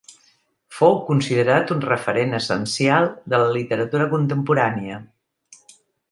Fou considerat un referent essencial de la literatura contemporània.